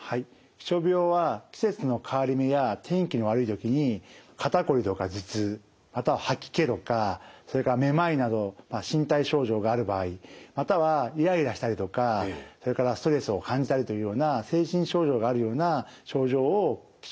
気象病は季節の変わり目や天気の悪い時に肩こりとか頭痛または吐き気とかそれからめまいなど身体症状がある場合またはイライラしたりとかそれからストレスを感じたりというような精神症状があるような症状を気象病というふうに呼んでいます。